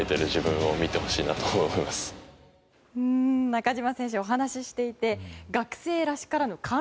中島選手、お話ししていて学生らしからぬ貫禄